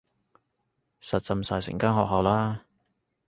實浸晒成間學校啦